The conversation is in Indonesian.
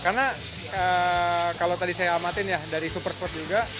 karena kalau tadi saya amatin ya dari super sports juga